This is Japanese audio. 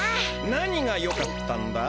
何がよかったんだ？